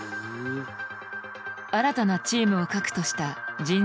新たなチームを核とした人材育成。